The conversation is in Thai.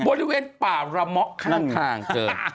บริเวณป่าระมะข้างเกิด